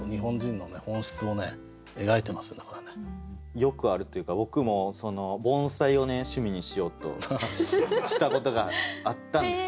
よくあるというか僕も盆栽を趣味にしようとしたことがあったんですよ。